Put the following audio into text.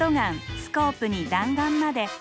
スコープに弾丸まで。